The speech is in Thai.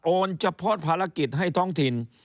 เฉพาะภารกิจให้ท้องถิ่น